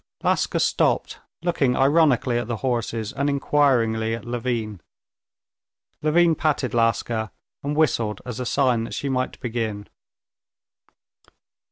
Laska stopped, looking ironically at the horses and inquiringly at Levin. Levin patted Laska, and whistled as a sign that she might begin.